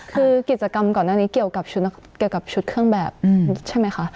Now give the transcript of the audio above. คือกิจกรรมก่อนหน้านี้เกี่ยวกับชุดเครื่องแบบใช่ไหมคะ